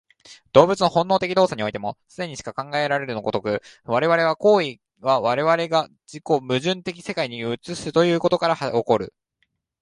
動物の本能的動作においても、既にしか考えられる如く、我々の行為は我々が自己矛盾的に世界を映すということから起こる。